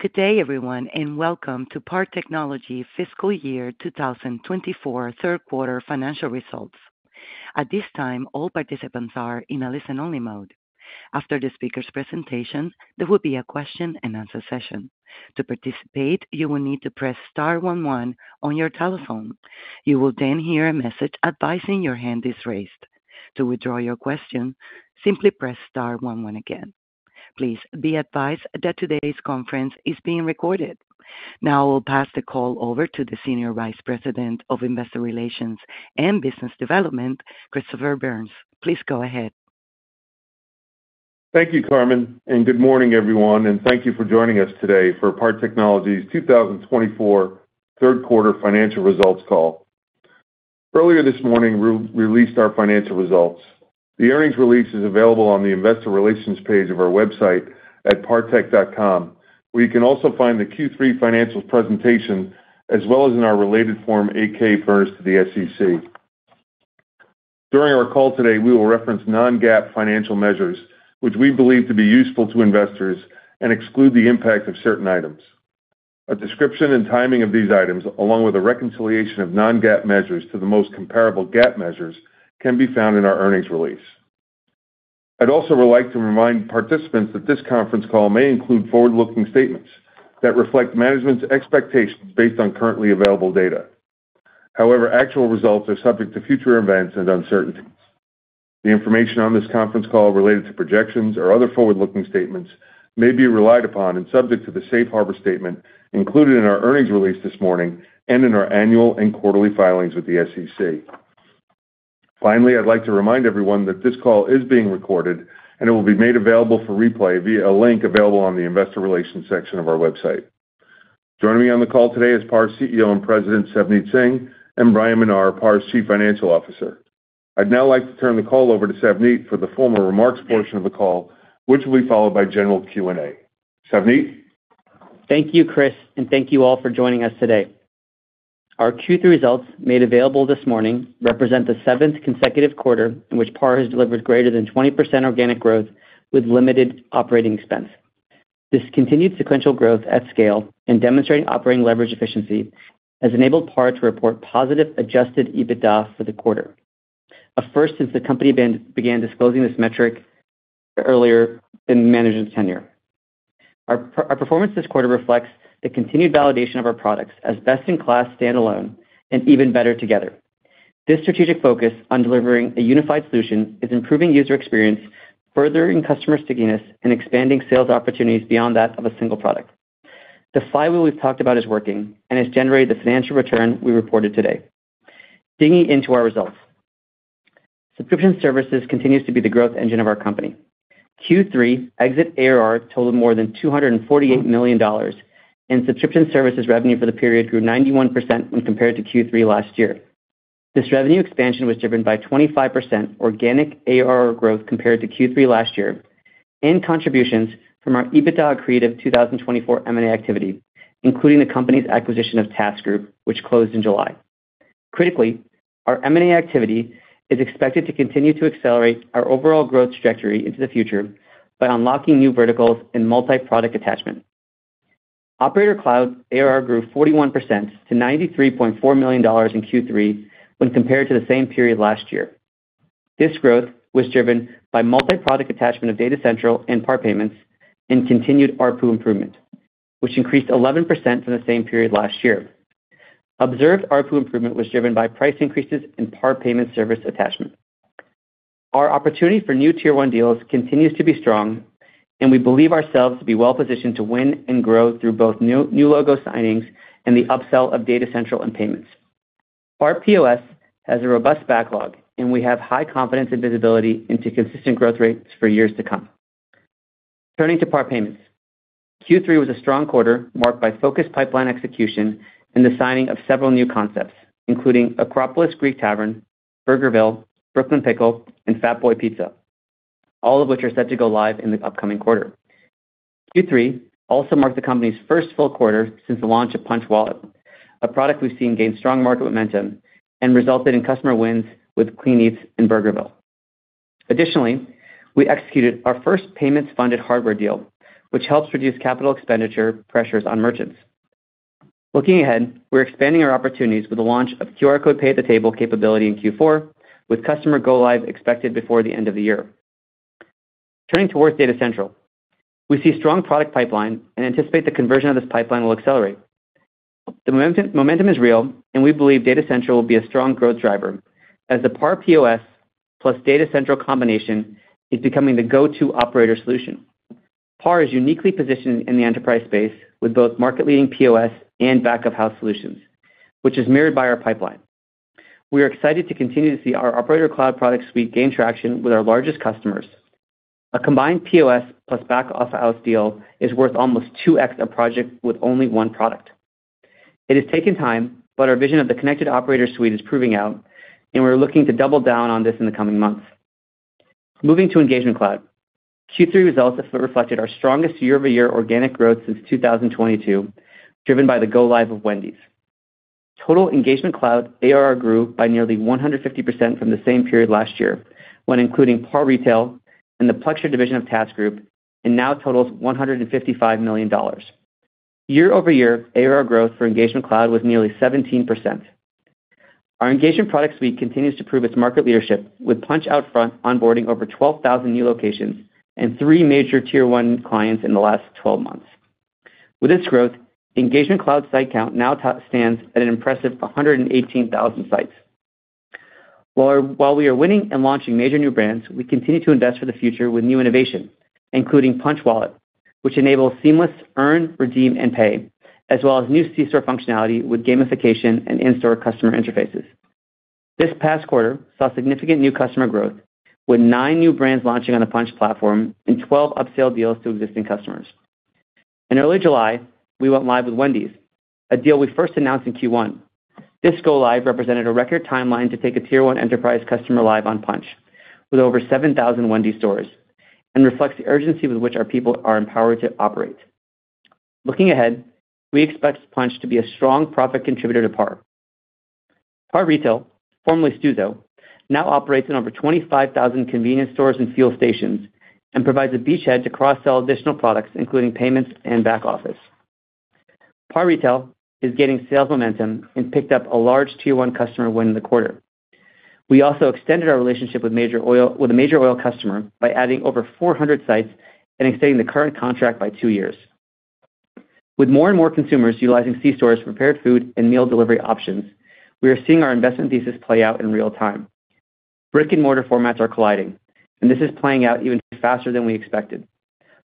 Good day, everyone, and welcome to PAR Technology Fiscal Year 2024 Third Quarter Financial Results. At this time, all participants are in a listen-only mode. After the speaker's presentation, there will be a question-and-answer session. To participate, you will need to press star one one on your telephone. You will then hear a message advising your hand is raised. To withdraw your question, simply press star one one again. Please be advised that today's conference is being recorded. Now I will pass the call over to the Senior Vice President of Investor Relations and Business Development, Christopher Byrnes. Please go ahead. Thank you, Carmen, and good morning, everyone, and thank you for joining us today for PAR Technology's 2024 Third Quarter Financial Results Call. Earlier this morning, we released our financial results. The earnings release is available on the Investor Relations page of our website at partech.com. You can also find the Q3 financials presentation, as well as in our related Form 8-K furnished to the SEC. During our call today, we will reference non-GAAP financial measures, which we believe to be useful to investors, and exclude the impact of certain items. A description and timing of these items, along with a reconciliation of non-GAAP measures to the most comparable GAAP measures, can be found in our earnings release. I'd also like to remind participants that this conference call may include forward-looking statements that reflect management's expectations based on currently available data. However, actual results are subject to future events and uncertainties. The information on this conference call related to projections or other forward-looking statements may be relied upon and subject to the Safe Harbor Statement included in our earnings release this morning and in our annual and quarterly filings with the SEC. Finally, I'd like to remind everyone that this call is being recorded, and it will be made available for replay via a link available on the Investor Relations section of our website. Joining me on the call today is PAR CEO and President, Savneet Singh, and Bryan Menar, PAR's Chief Financial Officer. I'd now like to turn the call over to Savneet for the formal remarks portion of the call, which will be followed by general Q&A. Savneet? Thank you, Chris, and thank you all for joining us today. Our Q3 results, made available this morning, represent the seventh consecutive quarter in which PAR has delivered greater than 20% organic growth with limited operating expense. This continued sequential growth at scale and demonstrating operating leverage efficiency has enabled PAR to report positive Adjusted EBITDA for the quarter, a first since the company began disclosing this metric earlier in management's tenure. Our performance this quarter reflects the continued validation of our products as best-in-class standalone and even better together. This strategic focus on delivering a unified solution is improving user experience, furthering customer stickiness, and expanding sales opportunities beyond that of a single product. The Flywheel we've talked about is working and has generated the financial return we reported today. Digging into our results, subscription services continues to be the growth engine of our company. Q3 exit ARR totaled more than $248 million, and subscription services revenue for the period grew 91% when compared to Q3 last year. This revenue expansion was driven by 25% organic ARR growth compared to Q3 last year and contributions from our accretive 2024 M&A activity, including the company's acquisition of TASK Group, which closed in July. Critically, our M&A activity is expected to continue to accelerate our overall growth trajectory into the future by unlocking new verticals and multi-product attachment. Operator Cloud's ARR grew 41% to $93.4 million in Q3 when compared to the same period last year. This growth was driven by multi-product attachment of Data Central and PAR Payments and continued ARPU improvement, which increased 11% from the same period last year. Observed ARPU improvement was driven by price increases and PAR Payments service attachment. Our opportunity for new Tier 1 deals continues to be strong, and we believe ourselves to be well positioned to win and grow through both new logo signings and the upsell of Data Central and payments. PAR POS has a robust backlog, and we have high confidence and visibility into consistent growth rates for years to come. Turning to PAR Payments, Q3 was a strong quarter marked by focused pipeline execution and the signing of several new concepts, including Acropolis Greek Taverna, Burgerville, Brooklyn Pickle, and Fat Boy's Pizza, all of which are set to go live in the upcoming quarter. Q3 also marked the company's first full quarter since the launch of Punchh Wallet, a product we've seen gain strong market momentum and resulted in customer wins with Clean Eatz and Burgerville. Additionally, we executed our first payments-funded hardware deal, which helps reduce capital expenditure pressures on merchants. Looking ahead, we're expanding our opportunities with the launch of QR code pay at the table capability in Q4, with customer go-live expected before the end of the year. Turning towards Data Central, we see a strong product pipeline and anticipate the conversion of this pipeline will accelerate. The momentum is real, and we believe Data Central will be a strong growth driver as the PAR POS plus Data Central combination is becoming the go-to operator solution. PAR is uniquely positioned in the enterprise space with both market-leading POS and back-of-house solutions, which is mirrored by our pipeline. We are excited to continue to see our Operator Cloud product suite gain traction with our largest customers. A combined POS plus back-of-house deal is worth almost 2x a project with only one product. It has taken time, but our vision of the connected operator suite is proving out, and we're looking to double down on this in the coming months. Moving to Engagement Cloud, Q3 results reflected our strongest year-over-year organic growth since 2022, driven by the go-live of Wendy's. Total Engagement Cloud ARR grew by nearly 150% from the same period last year when including PAR Retail and the Plexure division of TASK Group, and now totals $155 million. Year-over-year, ARR growth for Engagement Cloud was nearly 17%. Our Engagement product suite continues to prove its market leadership, with Punchh out front onboarding over 12,000 new locations and three major Tier 1 clients in the last 12 months. With this growth, Engagement Cloud site count now stands at an impressive 118,000 sites. While we are winning and launching major new brands, we continue to invest for the future with new innovation, including Punchh Wallet, which enables seamless earn, redeem, and pay, as well as new C-store functionality with gamification and in-store customer interfaces. This past quarter saw significant new customer growth, with nine new brands launching on the Punchh platform and 12 upsell deals to existing customers. In early July, we went live with Wendy's, a deal we first announced in Q1. This go-live represented a record timeline to take a Tier 1 enterprise customer live on Punchh, with over 7,000 Wendy's stores, and reflects the urgency with which our people are empowered to operate. Looking ahead, we expect Punchh to be a strong profit contributor to PAR. PAR Retail, formerly Stuzo, now operates in over 25,000 convenience stores and fuel stations and provides a beachhead to cross-sell additional products, including payments and back office. PAR Retail is gaining sales momentum and picked up a large Tier 1 customer win in the quarter. We also extended our relationship with a major oil customer by adding over 400 sites and extending the current contract by two years. With more and more consumers utilizing C-stores' prepared food and meal delivery options, we are seeing our investment thesis play out in real time. Brick-and-mortar formats are colliding, and this is playing out even faster than we expected.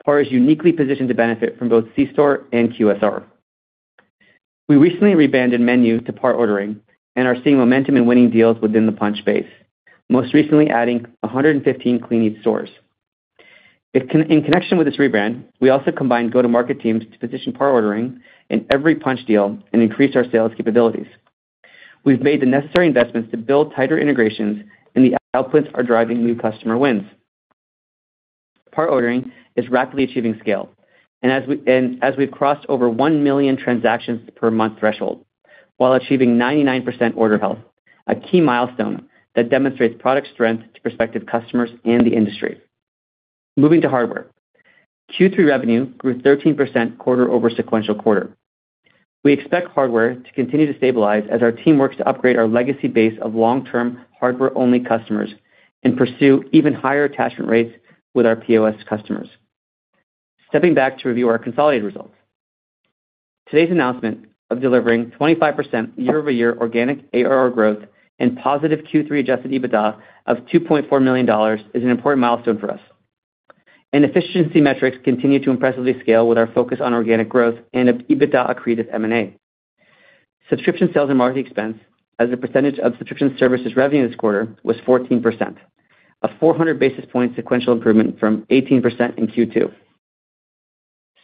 PAR is uniquely positioned to benefit from both C-store and QSR. We recently rebranded MENU to PAR Ordering and are seeing momentum in winning deals within the Punchh base, most recently adding 115 Clean Eatz stores. In connection with this rebrand, we also combined go-to-market teams to position PAR Ordering in every Punchh deal and increase our sales capabilities. We've made the necessary investments to build tighter integrations, and the outputs are driving new customer wins. PAR Ordering is rapidly achieving scale, and as we've crossed over 1 million transactions per month threshold while achieving 99% order health, a key milestone that demonstrates product strength to prospective customers and the industry. Moving to hardware, Q3 revenue grew 13% quarter over sequential quarter. We expect hardware to continue to stabilize as our team works to upgrade our legacy base of long-term hardware-only customers and pursue even higher attachment rates with our POS customers. Stepping back to review our consolidated results, today's announcement of delivering 25% year-over-year organic ARR growth and positive Q3 adjusted EBITDA of $2.4 million is an important milestone for us. Efficiency metrics continue to impressively scale with our focus on organic growth and EBITDA accretive M&A. Subscription sales and marketing expense, as a percentage of subscription services revenue this quarter, was 14%, a 400 basis point sequential improvement from 18% in Q2.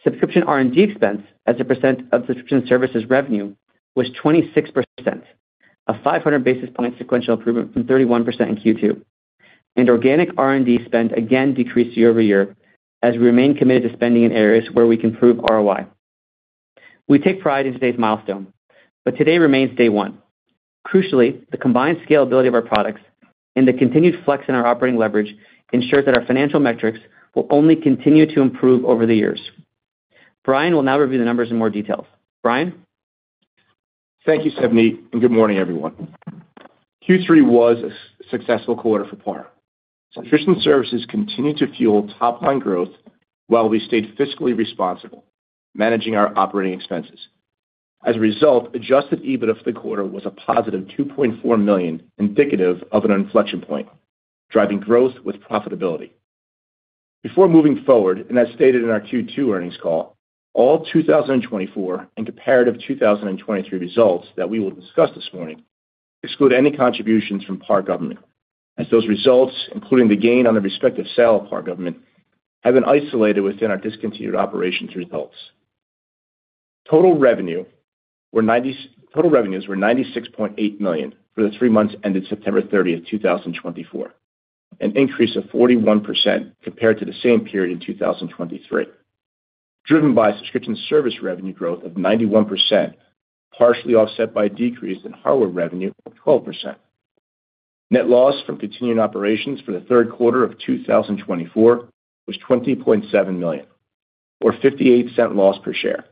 Subscription R&D expense, as a percent of subscription services revenue, was 26%, a 500 basis point sequential improvement from 31% in Q2. And organic R&D spend again decreased year over year as we remain committed to spending in areas where we can prove ROI. We take pride in today's milestone, but today remains day one. Crucially, the combined scalability of our products and the continued flex in our operating leverage ensures that our financial metrics will only continue to improve over the years. Bryan will now review the numbers in more detail. Bryan? Thank you, Savneet, and good morning, everyone. Q3 was a successful quarter for PAR. Subscription services continued to fuel top-line growth while we stayed fiscally responsible, managing our operating expenses. As a result, Adjusted EBITDA for the quarter was a positive $2.4 million, indicative of an inflection point, driving growth with profitability. Before moving forward, and as stated in our Q2 earnings call, all 2024 and comparative 2023 results that we will discuss this morning exclude any contributions from PAR Government, as those results, including the gain on the respective sale of PAR Government, have been isolated within our discontinued operations results. Total revenues were $96.8 million for the three months ended September 30, 2024, an increase of 41% compared to the same period in 2023, driven by subscription service revenue growth of 91%, partially offset by a decrease in hardware revenue of 12%. Net loss from continuing operations for the third quarter of 2024 was $20.7 million, or $0.58 loss per share,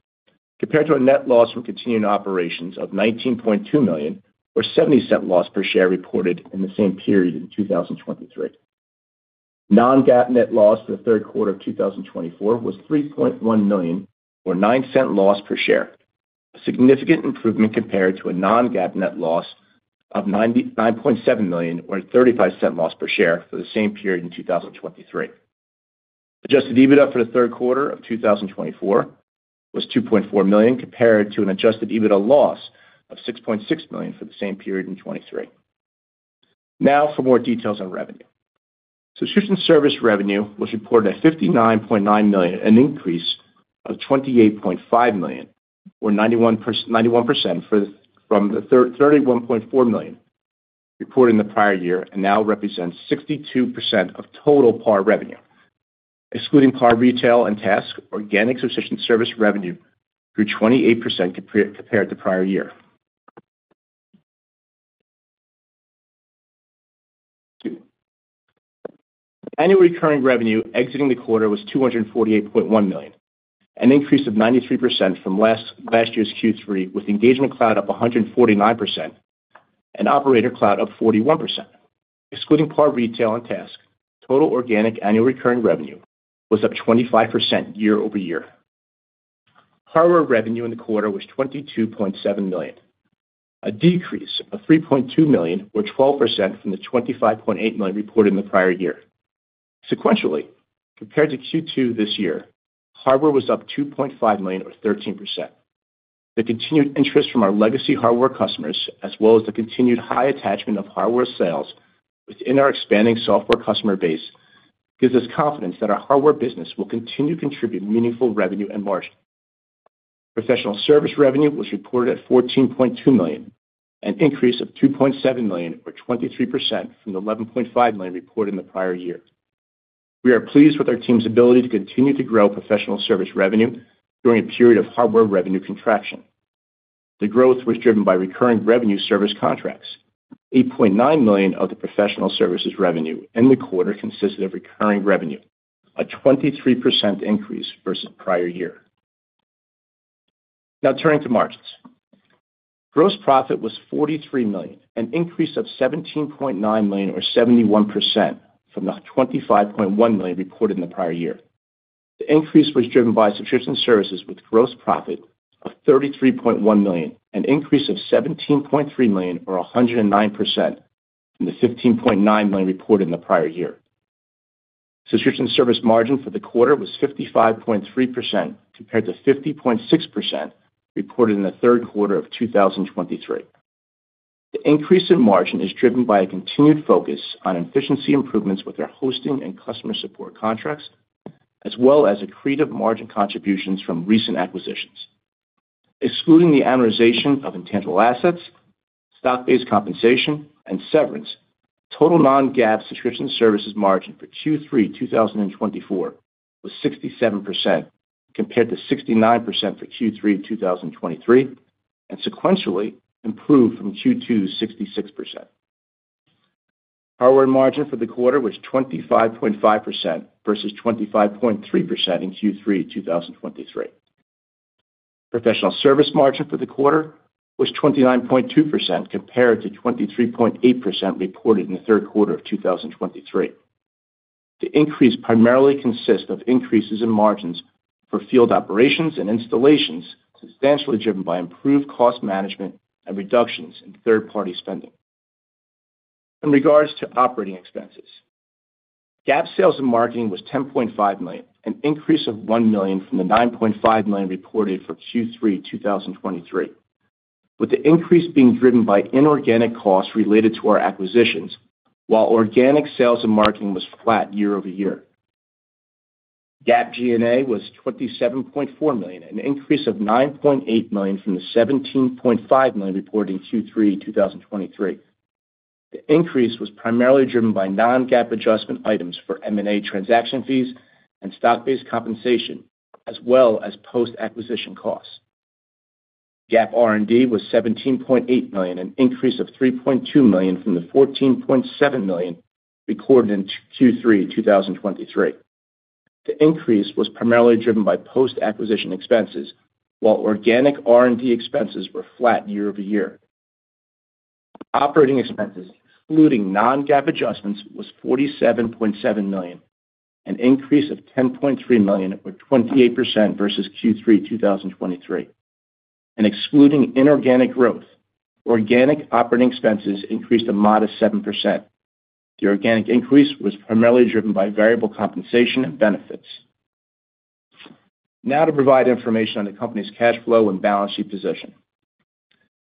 compared to a net loss from continuing operations of $19.2 million, or $0.70 loss per share reported in the same period in 2023. Non-GAAP net loss for the third quarter of 2024 was $3.1 million, or $0.09 loss per share, a significant improvement compared to a non-GAAP net loss of $9.7 million, or $0.35 loss per share for the same period in 2023. Adjusted EBITDA for the third quarter of 2024 was $2.4 million, compared to an adjusted EBITDA loss of $6.6 million for the same period in 2023. Now for more details on revenue. Subscription service revenue was reported at $59.9 million, an increase of $28.5 million, or 91% from the $31.4 million reported in the prior year and now represents 62% of total PAR revenue. Excluding PAR Retail and TASK, organic subscription service revenue grew 28% compared to prior year. Annual Recurring Revenue exiting the quarter was $248.1 million, an increase of 93% from last year's Q3, with Engagement Cloud up 149% and Operator Cloud up 41%. Excluding PAR Retail and TASK, total organic Annual Recurring Revenue was up 25% year over year. Hardware revenue in the quarter was $22.7 million, a decrease of $3.2 million, or 12% from the $25.8 million reported in the prior year. Sequentially, compared to Q2 this year, hardware was up $2.5 million, or 13%. The continued interest from our legacy hardware customers, as well as the continued high attachment of hardware sales within our expanding software customer base, gives us confidence that our hardware business will continue to contribute meaningful revenue and margin. Professional service revenue was reported at $14.2 million, an increase of $2.7 million, or 23% from the $11.5 million reported in the prior year. We are pleased with our team's ability to continue to grow professional service revenue during a period of hardware revenue contraction. The growth was driven by recurring revenue service contracts. $8.9 million of the professional services revenue in the quarter consisted of recurring revenue, a 23% increase versus prior year. Now turning to margins. Gross profit was $43 million, an increase of $17.9 million, or 71% from the $25.1 million reported in the prior year. The increase was driven by subscription services with gross profit of $33.1 million, an increase of $17.3 million, or 109% from the $15.9 million reported in the prior year. Subscription service margin for the quarter was 55.3% compared to 50.6% reported in the third quarter of 2023. The increase in margin is driven by a continued focus on efficiency improvements with our hosting and customer support contracts, as well as accretive margin contributions from recent acquisitions. Excluding the amortization of intangible assets, stock-based compensation, and severance, total non-GAAP subscription services margin for Q3 2024 was 67% compared to 69% for Q3 2023, and sequentially improved from Q2's 66%. Hardware margin for the quarter was 25.5% versus 25.3% in Q3 2023. Professional service margin for the quarter was 29.2% compared to 23.8% reported in the third quarter of 2023. The increase primarily consists of increases in margins for field operations and installations, substantially driven by improved cost management and reductions in third-party spending. In regards to operating expenses, GAAP sales and marketing was $10.5 million, an increase of $1 million from the $9.5 million reported for Q3 2023, with the increase being driven by inorganic costs related to our acquisitions, while organic sales and marketing was flat year over year. GAAP G&A was $27.4 million, an increase of $9.8 million from the $17.5 million reported in Q3 2023. The increase was primarily driven by non-GAAP adjustment items for M&A transaction fees and stock-based compensation, as well as post-acquisition costs. GAAP R&D was $17.8 million, an increase of $3.2 million from the $14.7 million recorded in Q3 2023. The increase was primarily driven by post-acquisition expenses, while organic R&D expenses were flat year over year. Operating expenses, excluding non-GAAP adjustments, was $47.7 million, an increase of $10.3 million, or 28% versus Q3 2023, and excluding inorganic growth, organic operating expenses increased a modest 7%. The organic increase was primarily driven by variable compensation and benefits. Now to provide information on the company's cash flow and balance sheet position.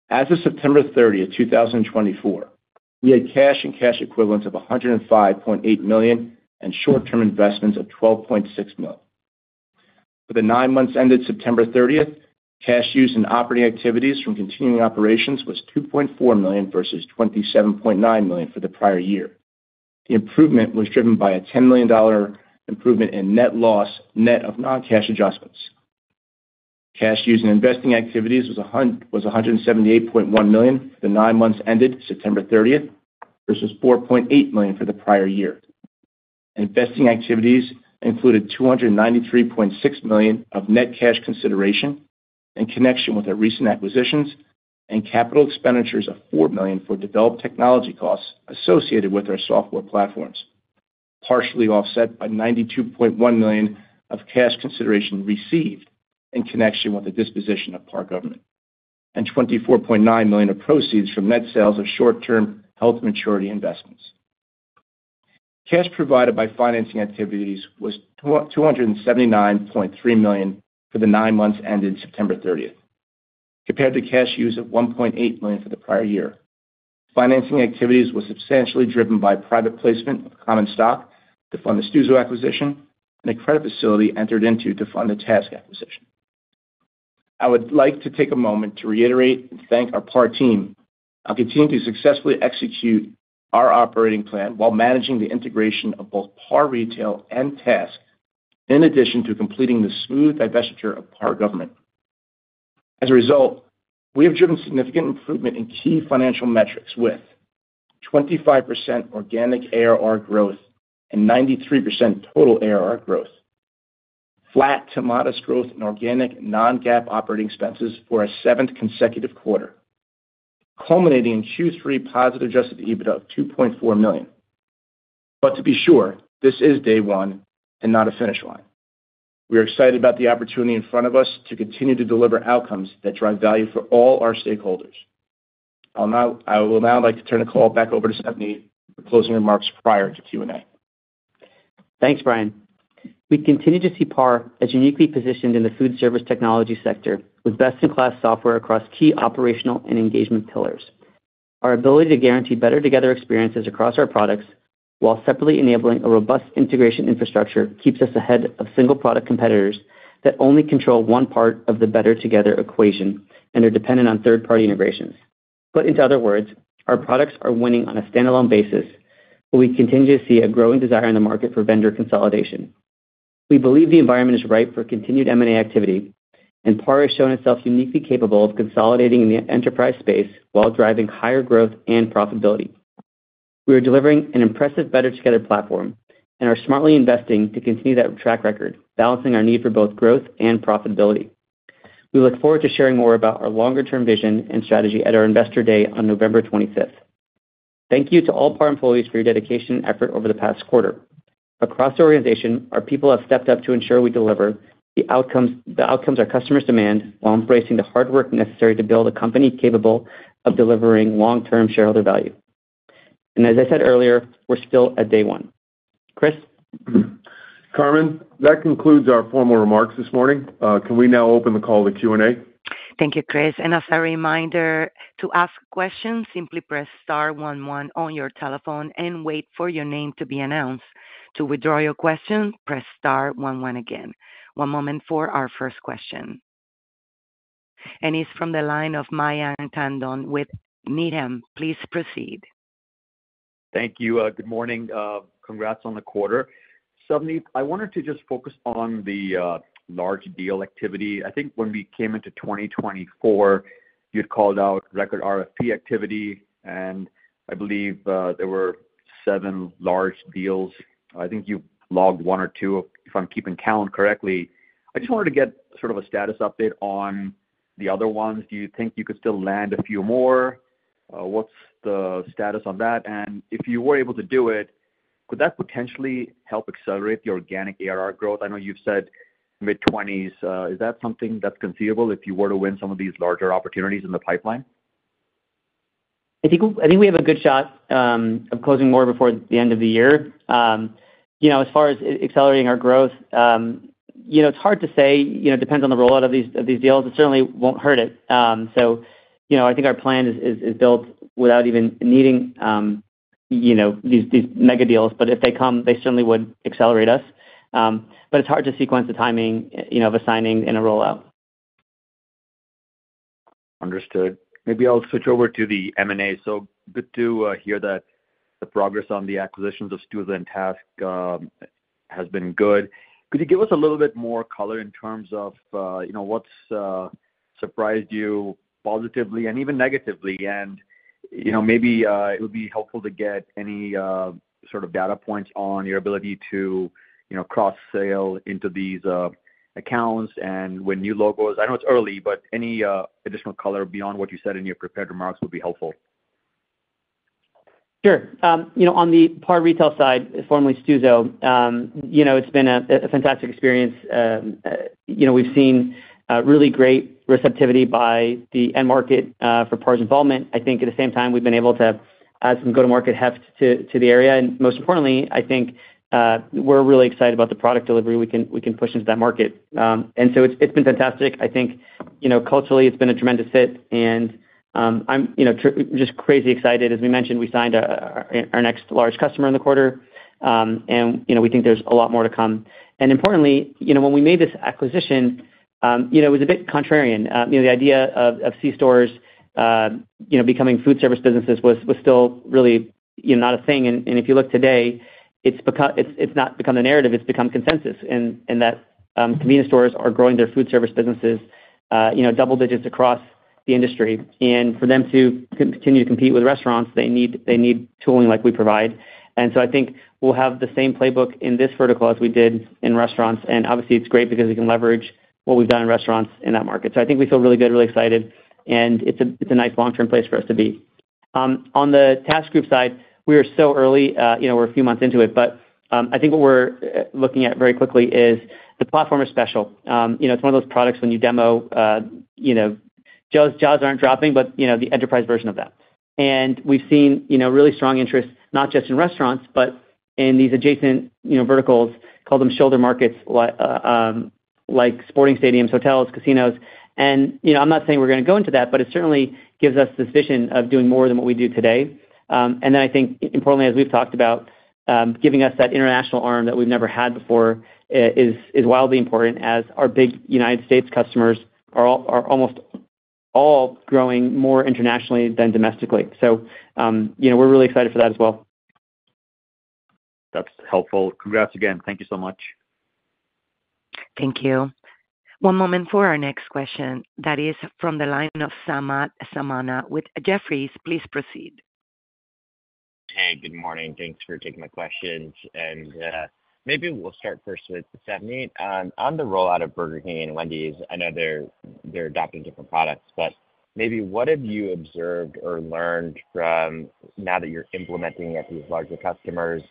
As of September 30, 2024, we had cash and cash equivalents of $105.8 million and short-term investments of $12.6 million. For the nine months ended September 30, cash used in operating activities from continuing operations was $2.4 million versus $27.9 million for the prior year. The improvement was driven by a $10 million improvement in net loss net of non-cash adjustments. Cash used in investing activities was $178.1 million for the nine months ended September 30 versus $4.8 million for the prior year. Investing activities included $293.6 million of net cash consideration in connection with our recent acquisitions and capital expenditures of $4 million for developed technology costs associated with our software platforms, partially offset by $92.1 million of cash consideration received in connection with the disposition of PAR Government, and $24.9 million of proceeds from net sales of short-term held-to-maturity investments. Cash provided by financing activities was $279.3 million for the nine months ended September 30, compared to cash used of $1.8 million for the prior year. Financing activities were substantially driven by private placement of common stock to fund the Stuzo acquisition and a credit facility entered into to fund the TASK acquisition. I would like to take a moment to reiterate and thank our PAR team. I'll continue to successfully execute our operating plan while managing the integration of both PAR Retail and TASK, in addition to completing the smooth divestiture of PAR Government. As a result, we have driven significant improvement in key financial metrics with 25% organic ARR growth and 93% total ARR growth, flat to modest growth in organic and non-GAAP operating expenses for a seventh consecutive quarter, culminating in Q3 positive Adjusted EBITDA of $2.4 million. But to be sure, this is day one and not a finish line. We are excited about the opportunity in front of us to continue to deliver outcomes that drive value for all our stakeholders. I would now like to turn the call back over to Savneet for closing remarks prior to Q&A. Thanks, Bryan. We continue to see PAR as uniquely positioned in the food service technology sector with best-in-class software across key operational and engagement pillars. Our ability to guarantee better-together experiences across our products while separately enabling a robust integration infrastructure keeps us ahead of single-product competitors that only control one part of the better-together equation and are dependent on third-party integrations. But in other words, our products are winning on a standalone basis, but we continue to see a growing desire in the market for vendor consolidation. We believe the environment is ripe for continued M&A activity, and PAR has shown itself uniquely capable of consolidating in the enterprise space while driving higher growth and profitability. We are delivering an impressive better-together platform and are smartly investing to continue that track record, balancing our need for both growth and profitability. We look forward to sharing more about our longer-term vision and strategy at our Investor Day on November 25. Thank you to all PAR employees for your dedication and effort over the past quarter. Across the organization, our people have stepped up to ensure we deliver the outcomes our customers demand while embracing the hard work necessary to build a company capable of delivering long-term shareholder value. And as I said earlier, we're still at day one. Chris? Carmen, that concludes our formal remarks this morning. Can we now open the call to Q&A? Thank you, Chris. And as a reminder, to ask questions, simply press star one one on your telephone and wait for your name to be announced. To withdraw your question, press star one one again. One moment for our first question. And he's from the line of Mayank Tandon with Needham. Please proceed. Thank you. Good morning. Congrats on the quarter. Savneet, I wanted to just focus on the large deal activity. I think when we came into 2024, you'd called out record RFP activity, and I believe there were seven large deals. I think you've logged one or two, if I'm keeping count correctly. I just wanted to get sort of a status update on the other ones. Do you think you could still land a few more? What's the status on that? And if you were able to do it, could that potentially help accelerate the organic ARR growth? I know you've said mid-20s. Is that something that's conceivable if you were to win some of these larger opportunities in the pipeline? I think we have a good shot of closing more before the end of the year. As far as accelerating our growth, it's hard to say. It depends on the rollout of these deals. It certainly won't hurt it. So I think our plan is built without even needing these mega deals. But if they come, they certainly would accelerate us. But it's hard to sequence the timing of signing and a rollout. Understood. Maybe I'll switch over to the M&A. So good to hear that the progress on the acquisitions of Stuzo and TASK Group has been good. Could you give us a little bit more color in terms of what's surprised you positively and even negatively? And maybe it would be helpful to get any sort of data points on your ability to cross-sell into these accounts and with new logos. I know it's early, but any additional color beyond what you said in your prepared remarks would be helpful. Sure. On the PAR Retail side, formerly Stuzo, it's been a fantastic experience. We've seen really great receptivity by the end market for PAR's involvement. I think at the same time, we've been able to add some go-to-market heft to the area. And most importantly, I think we're really excited about the product delivery we can push into that market. And so it's been fantastic. I think culturally, it's been a tremendous hit. And I'm just crazy excited. As we mentioned, we signed our next large customer in the quarter, and we think there's a lot more to come. And importantly, when we made this acquisition, it was a bit contrarian. The idea of C-stores becoming food service businesses was still really not a thing. And if you look today, it's not become the narrative. It's become consensus. That convenience stores are growing their food service businesses double digits across the industry. For them to continue to compete with restaurants, they need tooling like we provide. So I think we'll have the same playbook in this vertical as we did in restaurants. Obviously, it's great because we can leverage what we've done in restaurants in that market. So I think we feel really good, really excited, and it's a nice long-term place for us to be. On the TASK Group side, we are so early. We're a few months into it, but I think what we're looking at very quickly is the platform is special. It's one of those products when you demo, jaws aren't dropping, but the enterprise version of that. We've seen really strong interest, not just in restaurants, but in these adjacent verticals, call them shoulder markets like sporting stadiums, hotels, casinos. I'm not saying we're going to go into that, but it certainly gives us this vision of doing more than what we do today. I think, importantly, as we've talked about, giving us that international arm that we've never had before is wildly important as our big United States customers are almost all growing more internationally than domestically. We're really excited for that as well. That's helpful. Congrats again. Thank you so much. Thank you. One moment for our next question. That is from the line of Samad Samana with Jefferies. Please proceed. Hey, good morning. Thanks for taking my questions. Maybe we'll start first with Savneet. On the rollout of Burger King and Wendy's, I know they're adopting different products, but maybe what have you observed or learned from now that you're implementing at these larger customers,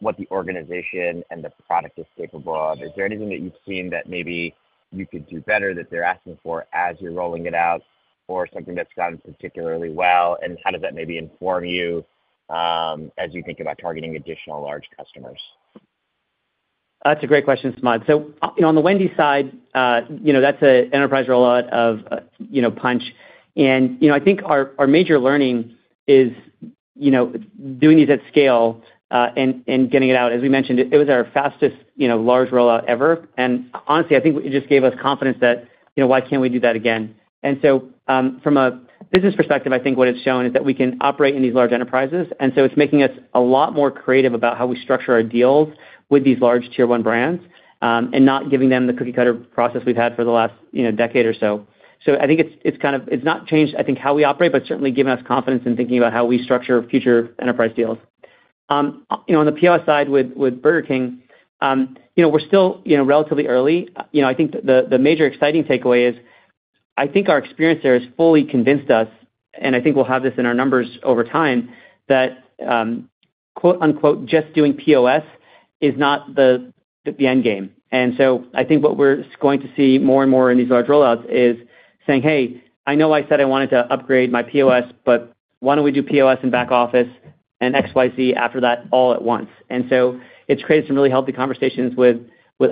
what the organization and the product is capable of? Is there anything that you've seen that maybe you could do better that they're asking for as you're rolling it out or something that's gone particularly well? And how does that maybe inform you as you think about targeting additional large customers? That's a great question, Samad. So on the Wendy's side, that's an enterprise rollout of Punchh. And I think our major learning is doing these at scale and getting it out. As we mentioned, it was our fastest large rollout ever. And honestly, I think it just gave us confidence that, why can't we do that again? And so from a business perspective, I think what it's shown is that we can operate in these large enterprises. And so it's making us a lot more creative about how we structure our deals with these large Tier 1 brands and not giving them the cookie-cutter process we've had for the last decade or so. So I think it's kind of, it's not changed, I think, how we operate, but certainly given us confidence in thinking about how we structure future enterprise deals. On the POS side with Burger King, we're still relatively early. I think the major exciting takeaway is I think our experience there has fully convinced us, and I think we'll have this in our numbers over time, that "just doing POS is not the end game." And so I think what we're going to see more and more in these large rollouts is saying, "Hey, I know I said I wanted to upgrade my POS, but why don't we do POS and back office and XYZ after that all at once?" And so it's created some really healthy conversations with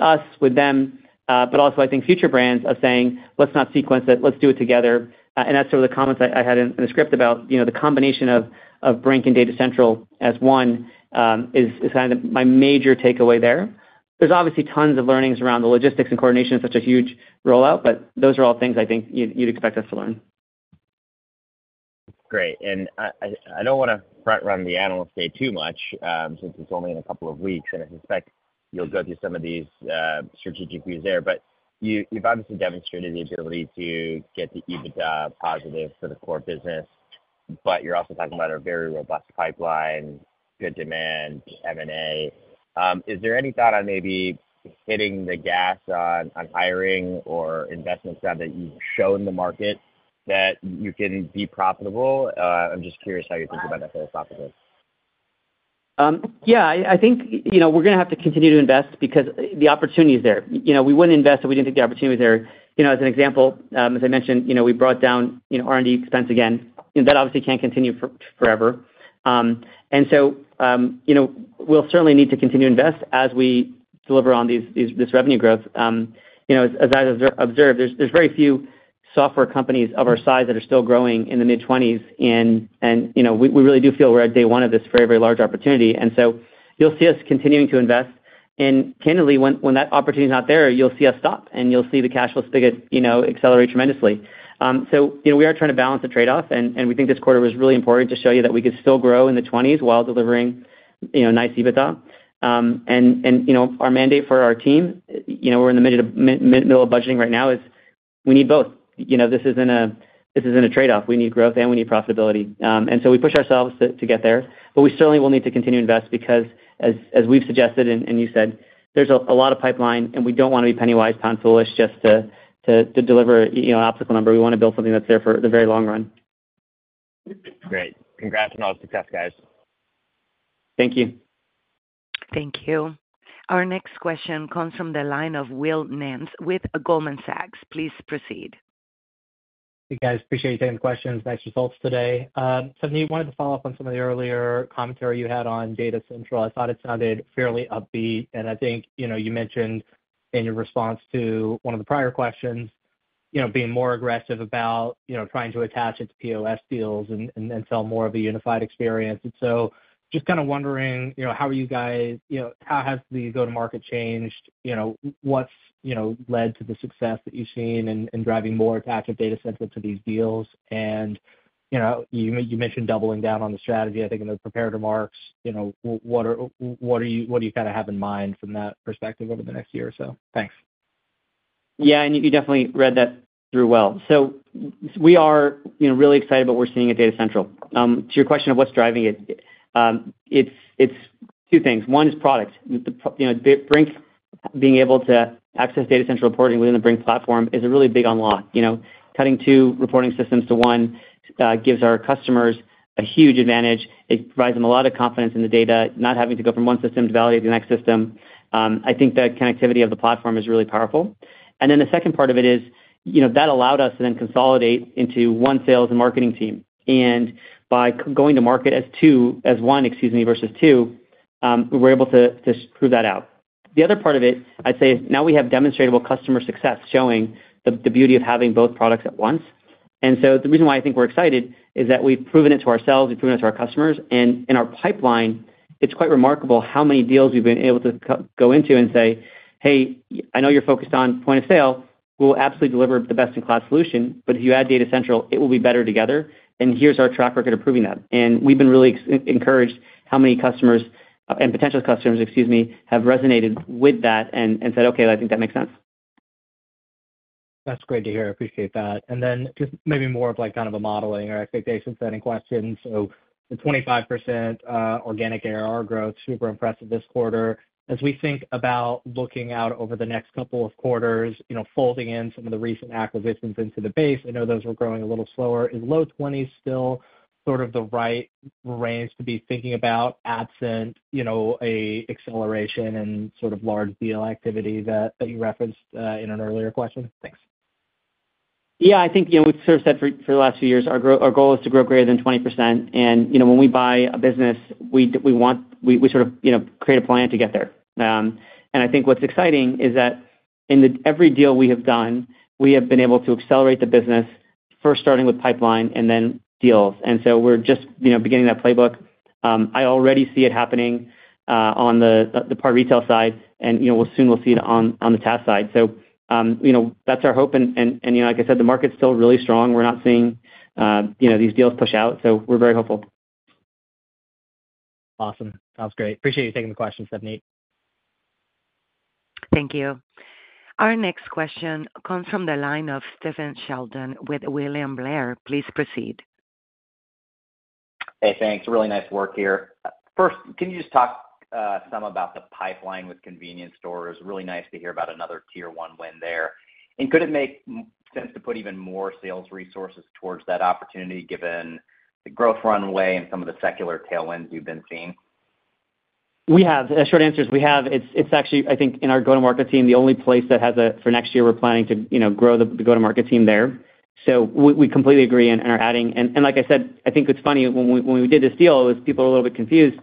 us, with them, but also I think future brands of saying, "Let's not sequence it. Let's do it together." And that's sort of the comments I had in the script about the combination of Brink and Data Central as one is kind of my major takeaway there. There's obviously tons of learnings around the logistics and coordination of such a huge rollout, but those are all things I think you'd expect us to learn. Great. And I don't want to front-run the analyst day too much since it's only in a couple of weeks, and I suspect you'll go through some of these strategic views there. But you've obviously demonstrated the ability to get the EBITDA positive for the core business, but you're also talking about a very robust pipeline, good demand, M&A. Is there any thought on maybe hitting the gas on hiring or investments now that you've shown the market that you can be profitable? I'm just curious how you think about that philosophically. Yeah. I think we're going to have to continue to invest because the opportunity is there. We wouldn't invest if we didn't think the opportunity was there. As an example, as I mentioned, we brought down R&D expense again. That obviously can't continue forever. And so we'll certainly need to continue to invest as we deliver on this revenue growth. As I observed, there's very few software companies of our size that are still growing in the mid-20s, and we really do feel we're at day one of this very, very large opportunity. And so you'll see us continuing to invest. And candidly, when that opportunity is not there, you'll see us stop, and you'll see the cash flow spigot accelerate tremendously. We are trying to balance the trade-off, and we think this quarter was really important to show you that we could still grow in the 20s while delivering nice EBITDA. Our mandate for our team, we're in the middle of budgeting right now, is we need both. This isn't a trade-off. We need growth, and we need profitability. We push ourselves to get there. We certainly will need to continue to invest because, as we've suggested and you said, there's a lot of pipeline, and we don't want to be penny wise and pound foolish just to deliver an optical number. We want to build something that's there for the very long run. Great. Congrats on all the success, guys. Thank you. Thank you. Our next question comes from the line of Will Nance with Goldman Sachs. Please proceed. Hey, guys. Appreciate you taking the questions. Nice results today. Savneet, wanted to follow up on some of the earlier commentary you had on Data Central. I thought it sounded fairly upbeat. And I think you mentioned in your response to one of the prior questions being more aggressive about trying to attach it to POS deals and sell more of a unified experience. And so just kind of wondering, how are you guys? How has the go-to-market changed? What's led to the success that you've seen in driving more attachment Data Central to these deals? And you mentioned doubling down on the strategy, I think, in the prepared remarks. What do you kind of have in mind from that perspective over the next year or so? Thanks. Yeah. And you definitely read that through well. So we are really excited about what we're seeing at Data Central. To your question of what's driving it, it's two things. One is product. Brink being able to access Data Central reporting within the Brink platform is a really big unlock. Cutting two reporting systems to one gives our customers a huge advantage. It provides them a lot of confidence in the data, not having to go from one system to validate the next system. I think the connectivity of the platform is really powerful. And then the second part of it is that allowed us to then consolidate into one sales and marketing team. And by going to market as one, excuse me, versus two, we're able to prove that out. The other part of it, I'd say, is now we have demonstrable customer success showing the beauty of having both products at once. And so the reason why I think we're excited is that we've proven it to ourselves. We've proven it to our customers. And in our pipeline, it's quite remarkable how many deals we've been able to go into and say, "Hey, I know you're focused on point of sale. We'll absolutely deliver the best-in-class solution, but if you add Data Central, it will be better together. And here's our track record of proving that." And we've been really encouraged how many customers and potential customers, excuse me, have resonated with that and said, "Okay, I think that makes sense. That's great to hear. I appreciate that. And then just maybe more of kind of a modeling or expectation-setting question. So the 25% organic ARR growth, super impressive this quarter. As we think about looking out over the next couple of quarters, folding in some of the recent acquisitions into the base, I know those were growing a little slower. Is low 20s still sort of the right range to be thinking about absent an acceleration and sort of large deal activity that you referenced in an earlier question? Thanks. Yeah. I think we've served that for the last few years. Our goal is to grow greater than 20%. And when we buy a business, we sort of create a plan to get there. And I think what's exciting is that in every deal we have done, we have been able to accelerate the business, first starting with pipeline and then deals. And so we're just beginning that playbook. I already see it happening on the PAR Retail side, and soon we'll see it on the TASK side. So that's our hope. And like I said, the market's still really strong. We're not seeing these deals push out. So we're very hopeful. Awesome. Sounds great. Appreciate you taking the question, Savneet. Thank you. Our next question comes from the line of Stephen Sheldon with William Blair. Please proceed. Hey, thanks. Really nice work here. First, can you just talk some about the pipeline with convenience stores? Really nice to hear about another Tier 1 win there. And could it make sense to put even more sales resources towards that opportunity given the growth runway and some of the secular tailwinds you've been seeing? We have. Short answer is we have. It's actually, I think, in our go-to-market team, the only place that has it for next year. We're planning to grow the go-to-market team there. So we completely agree and are adding. And like I said, I think it's funny. When we did this deal, people were a little bit confused.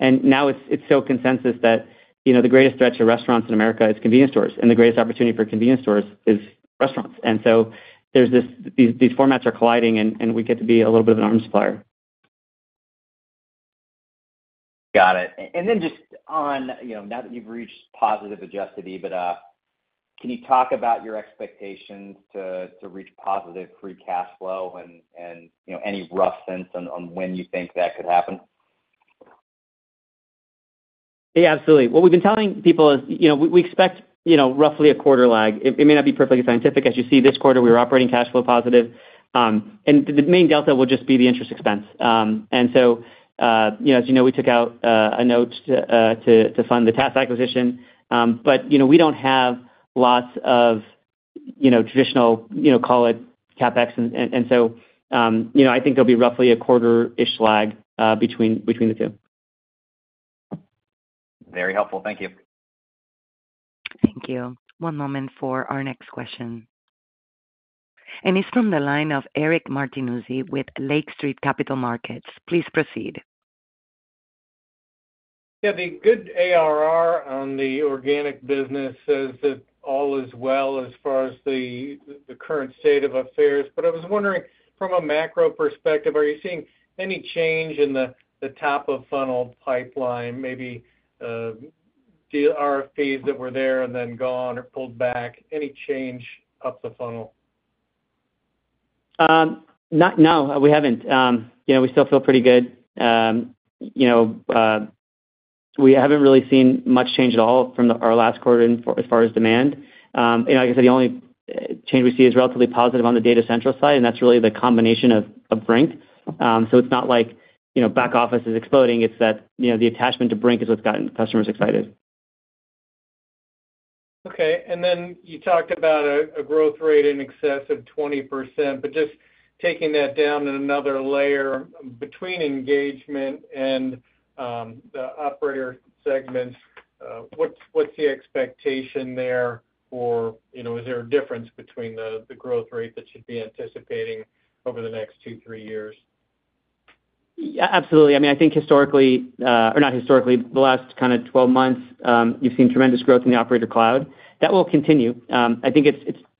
And now it's so consensus that the greatest threat to restaurants in America is convenience stores. And the greatest opportunity for convenience stores is restaurants. And so these formats are colliding, and we get to be a little bit of an arms race. Got it. And then just on now that you've reached positive Adjusted EBITDA, can you talk about your expectations to reach positive free cash flow and any rough sense on when you think that could happen? Yeah, absolutely. What we've been telling people is we expect roughly a quarter lag. It may not be perfectly scientific. As you see, this quarter, we were operating cash flow positive. And the main delta will just be the interest expense. And so, as you know, we took out a note to fund the TASK acquisition. But we don't have lots of traditional, call it CapEx. And so I think there'll be roughly a quarter-ish lag between the two. Very helpful. Thank you. Thank you. One moment for our next question, and it's from the line of Eric Martinuzzi with Lake Street Capital Markets. Please proceed. Yeah. The good ARR on the organic business says that all is well as far as the current state of affairs. But I was wondering, from a macro perspective, are you seeing any change in the top-of-funnel pipeline, maybe RFPs that were there and then gone or pulled back? Any change up the funnel? No. We haven't. We still feel pretty good. We haven't really seen much change at all from our last quarter as far as demand. Like I said, the only change we see is relatively positive on the Data Central side, and that's really the combination of Brink. So it's not like back office is exploding. It's that the attachment to Brink is what's gotten customers excited. Okay. And then you talked about a growth rate in excess of 20%. But just taking that down in another layer, between engagement and the operator segments, what's the expectation there? Or is there a difference between the growth rate that should be anticipating over the next two, three years? Absolutely. I mean, I think historically, or not historically, the last kind of 12 months, you've seen tremendous growth in the Operator Cloud. That will continue. I think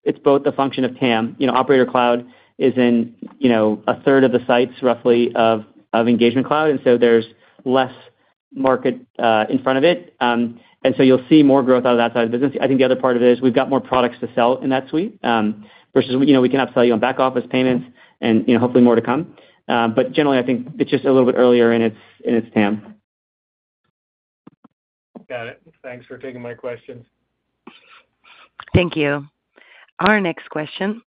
it's both a function of TAM. Operator Cloud is in a third of the sites, roughly, of Engagement Cloud. And so there's less market in front of it. And so you'll see more growth out of that side of the business. I think the other part of it is we've got more products to sell in that suite versus we can upsell you on back office payments and hopefully more to come. But generally, I think it's just a little bit earlier in its TAM. Got it. Thanks for taking my questions. Thank you. Our next question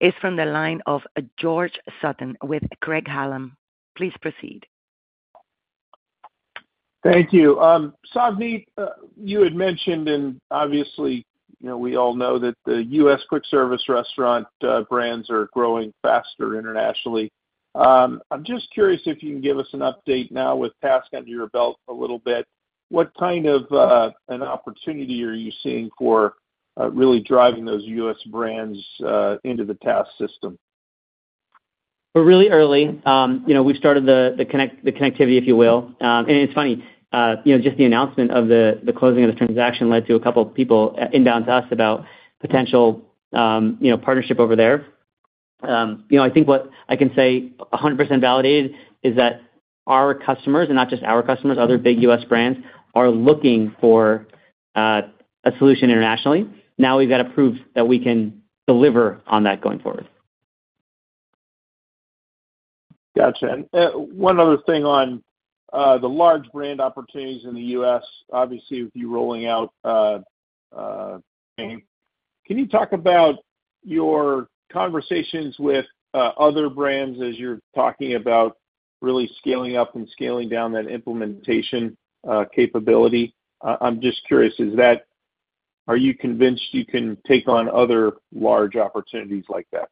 is from the line of George Sutton with Craig-Hallum. Please proceed. Thank you. Savneet, you had mentioned, and obviously, we all know that the U.S. Quick Service restaurant brands are growing faster internationally. I'm just curious if you can give us an update now with TASK under your belt a little bit. What kind of an opportunity are you seeing for really driving those U.S. brands into the TASK system? We're really early. We've started the connectivity, if you will. And it's funny. Just the announcement of the closing of the transaction led to a couple of people inbound to us about potential partnership over there. I think what I can say, 100% validated, is that our customers, and not just our customers, other big U.S. brands are looking for a solution internationally. Now we've got to prove that we can deliver on that going forward. Gotcha. One other thing on the large brand opportunities in the US, obviously with you rolling out, can you talk about your conversations with other brands as you're talking about really scaling up and scaling down that implementation capability? I'm just curious, are you convinced you can take on other large opportunities like that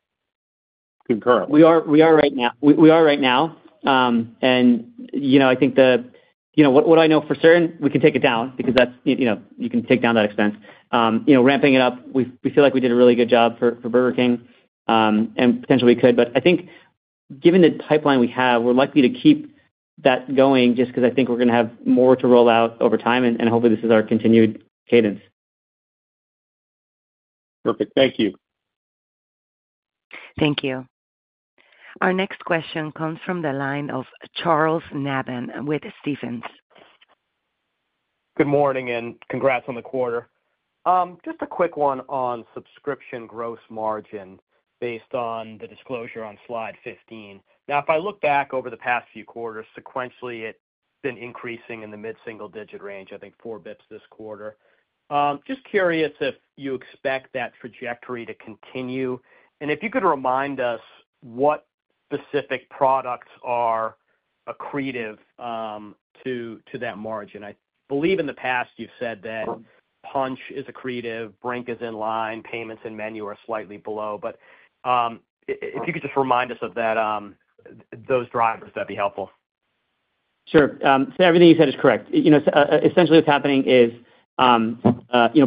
concurrently? We are right now. We are right now, and I think what I know for certain, we can take it down because you can take down that expense. Ramping it up, we feel like we did a really good job for Burger King, and potentially we could, but I think given the pipeline we have, we're likely to keep that going just because I think we're going to have more to roll out over time, and hopefully, this is our continued cadence. Perfect. Thank you. Thank you. Our next question comes from the line of Charles Nabhan with Stephens. Good morning and congrats on the quarter. Just a quick one on subscription gross margin based on the disclosure on slide 15. Now, if I look back over the past few quarters, sequentially, it's been increasing in the mid-single-digit range, I think four basis points this quarter. Just curious if you expect that trajectory to continue. And if you could remind us what specific products are accretive to that margin. I believe in the past you've said that Punchh is accretive, Brink is in line, payments and MENU are slightly below. But if you could just remind us of those drivers, that'd be helpful. Sure, so everything you said is correct. Essentially, what's happening is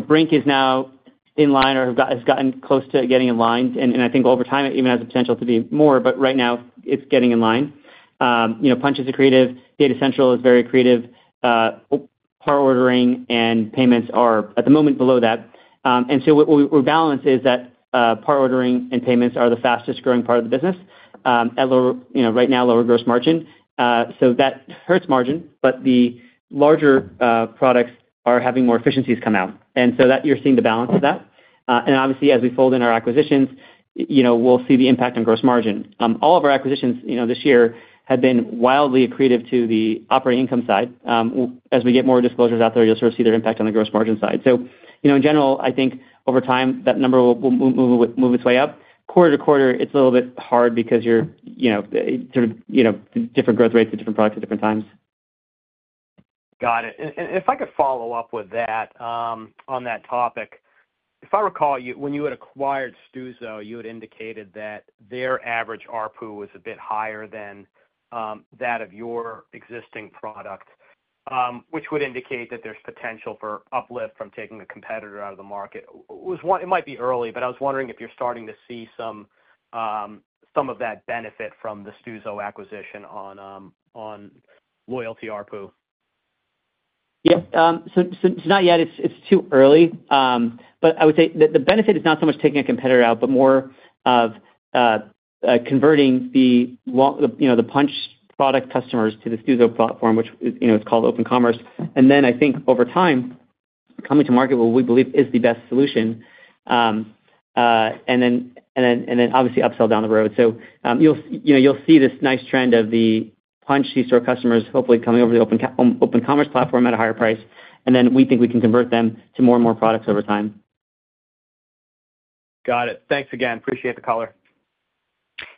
Brink is now in line or has gotten close to getting in line, and I think over time, it even has the potential to be more. But right now, it's getting in line. Punchh is accretive. Data Central is very accretive. PAR Ordering and PAR Payments are at the moment below that, and so what we balance is that PAR Ordering and PAR Payments are the fastest growing part of the business right now, lower gross margin. So that hurts margin, but the larger products are having more efficiencies come out, and so you're seeing the balance of that. And obviously, as we fold in our acquisitions, we'll see the impact on gross margin. All of our acquisitions this year have been wildly accretive to the operating income side. As we get more disclosures out there, you'll sort of see their impact on the gross margin side. So in general, I think over time, that number will move its way up. Quarter to quarter, it's a little bit hard because you're sort of different growth rates at different products at different times. Got it. And if I could follow up with that on that topic, if I recall, when you had acquired Stuzo, you had indicated that their average RPU was a bit higher than that of your existing product, which would indicate that there's potential for uplift from taking a competitor out of the market. It might be early, but I was wondering if you're starting to see some of that benefit from the Stuzo acquisition on loyalty RPU. Yeah. So not yet. It's too early. But I would say the benefit is not so much taking a competitor out, but more of converting the Punchh product customers to the Stuzo platform, which is called Open Commerce. And then I think over time, coming to market will, we believe, is the best solution. And then obviously upsell down the road. So you'll see this nice trend of the Punchh C-store customers hopefully coming over to the Open Commerce platform at a higher price. And then we think we can convert them to more and more products over time. Got it. Thanks again. Appreciate the color.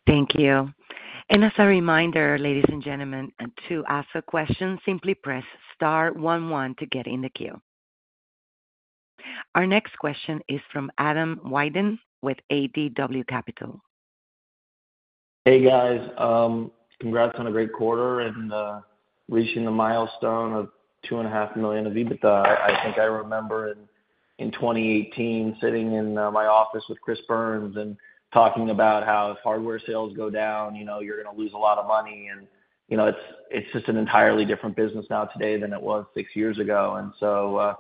Thank you. And as a reminder, ladies and gentlemen, to ask a question, simply press star 11 to get in the queue. Our next question is from Adam Wyden with ADW Capital. Hey, guys. Congrats on a great quarter and reaching the milestone of $2.5 million of EBITDA. I think I remember in 2018 sitting in my office with Chris Byrnes and talking about how if hardware sales go down, you're going to lose a lot of money. And it's just an entirely different business now today than it was six years ago. And so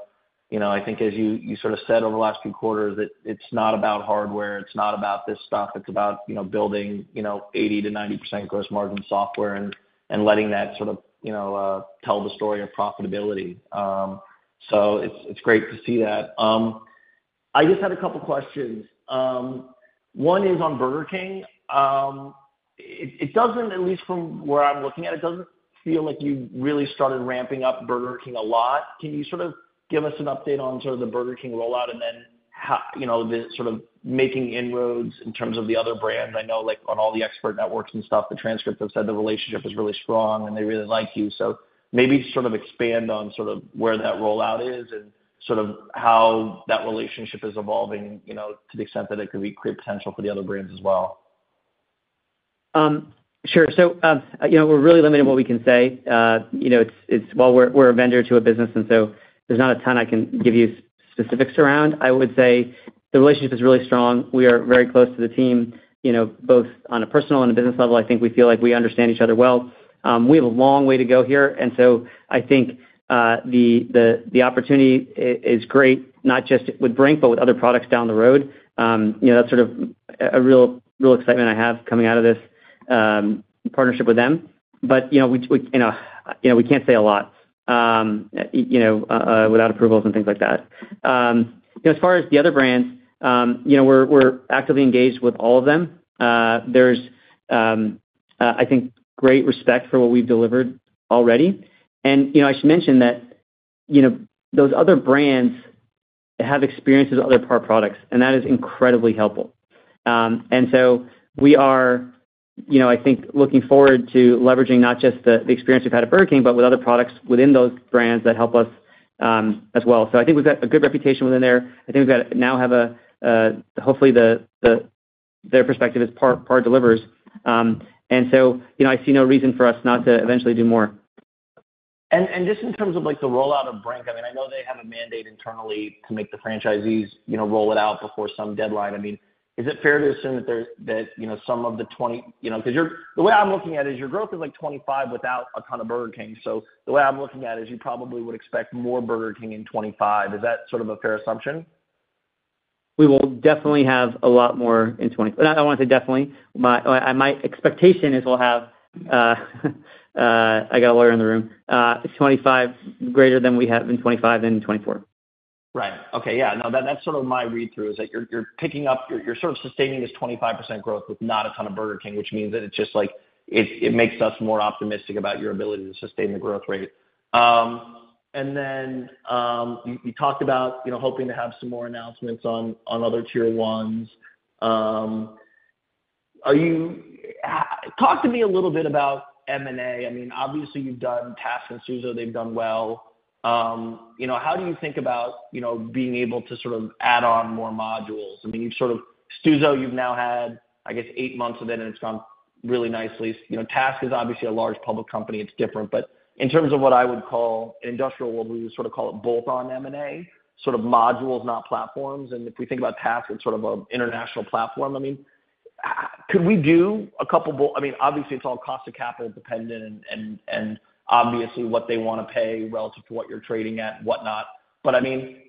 I think as you sort of said over the last few quarters, it's not about hardware. It's not about this stuff. It's about building 80%-90% gross margin software and letting that sort of tell the story of profitability. So it's great to see that. I just had a couple of questions. One is on Burger King. At least from where I'm looking at, it doesn't feel like you really started ramping up Burger King a lot. Can you sort of give us an update on sort of the Burger King rollout and then sort of making inroads in terms of the other brands? I know on all the expert networks and stuff, the transcripts have said the relationship is really strong and they really like you. So maybe sort of expand on sort of where that rollout is and sort of how that relationship is evolving to the extent that it could create potential for the other brands as well. Sure. So we're really limited in what we can say. While we're a vendor to a business, and so there's not a ton I can give you specifics around, I would say the relationship is really strong. We are very close to the team, both on a personal and a business level. I think we feel like we understand each other well. We have a long way to go here, and so I think the opportunity is great, not just with Brink, but with other products down the road. That's sort of a real excitement I have coming out of this partnership with them, but we can't say a lot without approvals and things like that. As far as the other brands, we're actively engaged with all of them. There's, I think, great respect for what we've delivered already. I should mention that those other brands have experience with other PAR products, and that is incredibly helpful. We are, I think, looking forward to leveraging not just the experience we've had at Burger King, but with other products within those brands that help us as well. I think we've got a good reputation within there. I think we now have, hopefully, their perspective is PAR delivers. I see no reason for us not to eventually do more. Just in terms of the rollout of Brink, I mean, I know they have a mandate internally to make the franchisees roll it out before some deadline. I mean, is it fair to assume that some of the 20 because the way I'm looking at it is your growth is like 25 without a ton of Burger King. So the way I'm looking at it is you probably would expect more Burger King in 25. Is that sort of a fair assumption? We will definitely have a lot more in 2025. I want to say definitely. My expectation is we'll have, I got a lawyer in the room, 25 greater than we have in 2025 than in 2024. Right. Okay. Yeah. No, that's sort of my read-through is that you're sort of sustaining this 25% growth with not a ton of Burger King, which means that it makes us more optimistic about your ability to sustain the growth rate, and then you talked about hoping to have some more announcements on other Tier 1s. Talk to me a little bit about M&A. I mean, obviously, you've done TASK and Stuzo. They've done well. How do you think about being able to sort of add on more modules? I mean, Stuzo, you've now had, I guess, eight months of it, and it's gone really nicely. TASK is obviously a large public company. It's different, but in terms of what I would call in industrial world, we would sort of call it bolt-on M&A, sort of modules, not platforms. If we think about TASK, it's sort of an international platform. I mean, could we do a couple of—I mean, obviously, it's all cost of capital dependent and obviously what they want to pay relative to what you're trading at and whatnot. But I mean,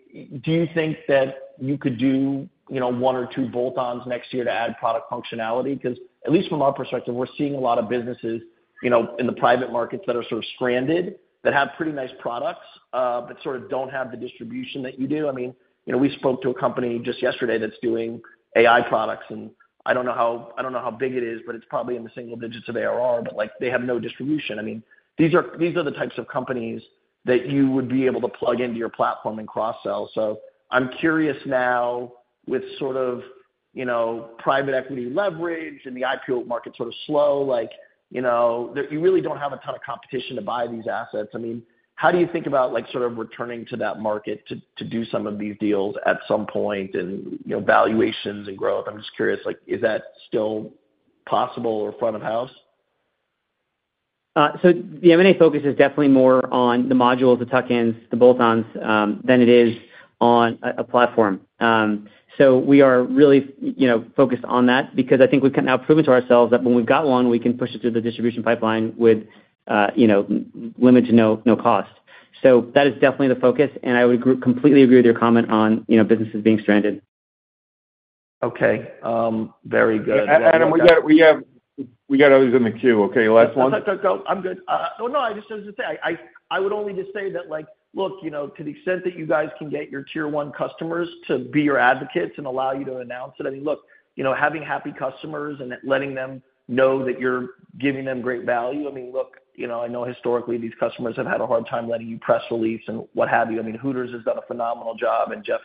do you think that you could do one or two bolt-ons next year to add product functionality? Because at least from our perspective, we're seeing a lot of businesses in the private markets that are sort of stranded that have pretty nice products but sort of don't have the distribution that you do. I mean, we spoke to a company just yesterday that's doing AI products. And I don't know how big it is, but it's probably in the single digits of ARR, but they have no distribution. I mean, these are the types of companies that you would be able to plug into your platform and cross-sell. So I'm curious now with sort of private equity leverage and the IPO market sort of slow, you really don't have a ton of competition to buy these assets. I mean, how do you think about sort of returning to that market to do some of these deals at some point and valuations and growth? I'm just curious, is that still possible or front of house? So the M&A focus is definitely more on the modules, the tuck-ins, the bolt-ons than it is on a platform. So we are really focused on that because I think we've now proven to ourselves that when we've got one, we can push it through the distribution pipeline with limited to no cost. So that is definitely the focus. And I would completely agree with your comment on businesses being stranded. Okay. Very good. Adam, we got others in the queue. Okay. Last one. No, no, no. I'm good. No, no. I just was going to say, I would only just say that, look, to the extent that you guys can get your Tier 1 customers to be your advocates and allow you to announce it, I mean, look, having happy customers and letting them know that you're giving them great value. I mean, look, I know historically these customers have had a hard time letting you press release and what have you. I mean, Hooters has done a phenomenal job. And Jeff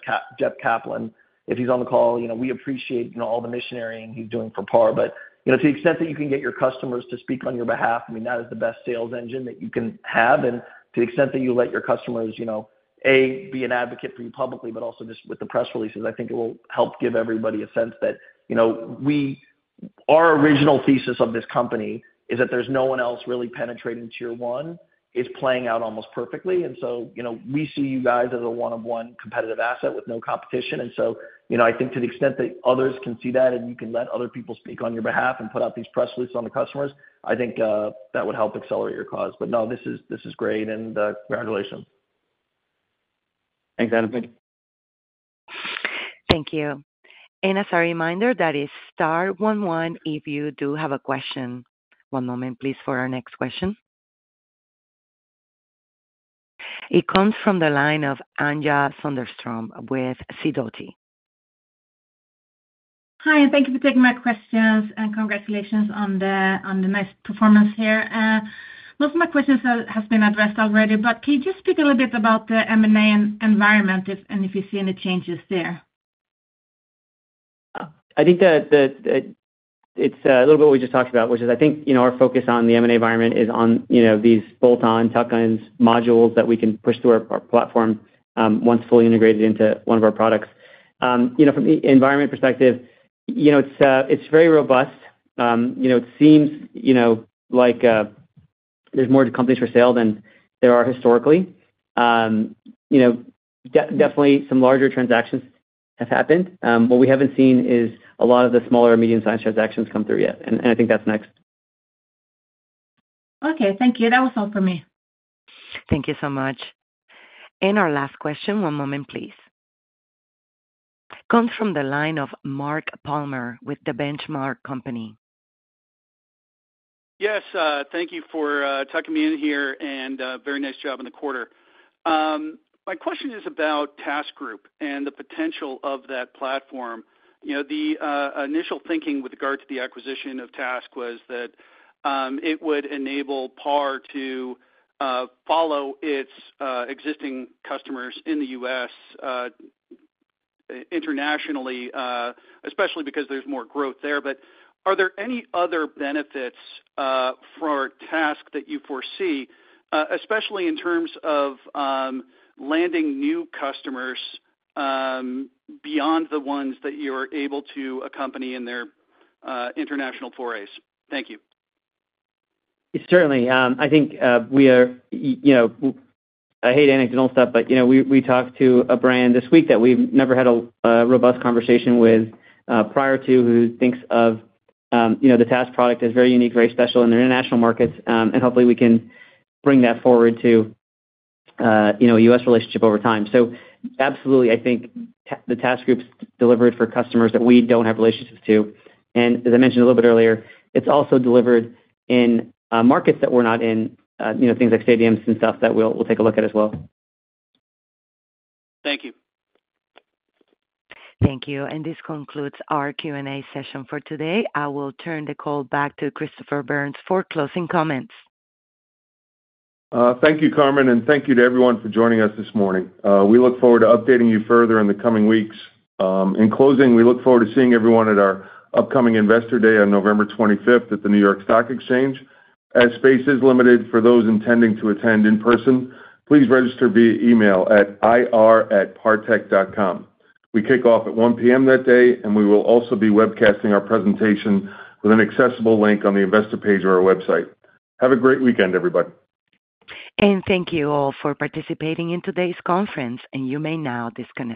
Caplan, if he's on the call, we appreciate all the missionary he's doing for PAR. But to the extent that you can get your customers to speak on your behalf, I mean, that is the best sales engine that you can have. And to the extent that you let your customers be an advocate for you publicly, but also just with the press releases, I think it will help give everybody a sense that our original thesis of this company is that there's no one else really penetrating Tier 1 is playing out almost perfectly. And so we see you guys as a one-of-one competitive asset with no competition. And so I think to the extent that others can see that and you can let other people speak on your behalf and put out these press releases on the customers, I think that would help accelerate your cause. But no, this is great. And congratulations. Thanks, Adam. Thank you. And as a reminder, that is star 11 if you do have a question. One moment, please, for our next question. It comes from the line of Anja Soderstrom with Sidoti. Hi. Thank you for taking my questions and congratulations on the nice performance here. Most of my questions have been addressed already, but can you just speak a little bit about the M&A environment and if you see any changes there? I think that it's a little bit what we just talked about, which is I think our focus on the M&A environment is on these bolt-on, tuck-ins, modules that we can push through our platform once fully integrated into one of our products. From the environment perspective, it's very robust. It seems like there's more companies for sale than there are historically. Definitely, some larger transactions have happened. What we haven't seen is a lot of the smaller and medium-sized transactions come through yet. And I think that's next. Okay. Thank you. That was all for me. Thank you so much. And our last question. One moment, please. Comes from the line of Mark Palmer with The Benchmark Company. Yes. Thank you for tucking me in here, and very nice job in the quarter. My question is about TASK Group and the potential of that platform. The initial thinking with regard to the acquisition of TASK Group was that it would enable PAR to follow its existing customers in the U.S. internationally, especially because there's more growth there. But are there any other benefits for TASK Group that you foresee, especially in terms of landing new customers beyond the ones that you're able to accompany in their international forays? Thank you. Certainly. I think we are. I hate anecdotal stuff, but we talked to a brand this week that we've never had a robust conversation with prior to who thinks of the TASK product as very unique, very special in their international markets. Hopefully, we can bring that forward to a U.S. relationship over time. Absolutely, I think the TASK Group's delivered for customers that we don't have relationships to. As I mentioned a little bit earlier, it's also delivered in markets that we're not in, things like stadiums and stuff that we'll take a look at as well. Thank you. Thank you. This concludes our Q&A session for today. I will turn the call back to Christopher Byrnes for closing comments. Thank you, Carmen, and thank you to everyone for joining us this morning. We look forward to updating you further in the coming weeks. In closing, we look forward to seeing everyone at our upcoming Investor Day on November 25th at the New York Stock Exchange. As space is limited for those intending to attend in person, please register via email at ir@partech.com. We kick off at 1:00 P.M. that day, and we will also be webcasting our presentation with an accessible link on the Investor page of our website. Have a great weekend, everybody. Thank you all for participating in today's conference. You may now disconnect.